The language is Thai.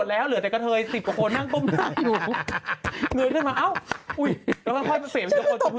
เหลือแต่กะเทย๑๐กว่านั่งก้มต่างอยู่